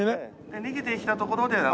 逃げてきたところで。